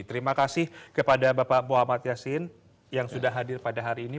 terima kasih kepada bapak muhammad yasin yang sudah hadir pada hari ini